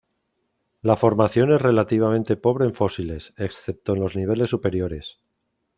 La formación es relativamente pobre en fósiles, excepto en los niveles superiores.